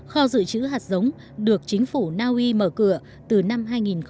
kho dự trữ hạt giống được chính phủ naui mở cửa từ năm hai nghìn tám